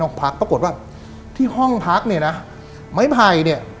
พักปรากฏว่าที่ห้องพักเนี่ยนะไม้ไผ่เนี่ย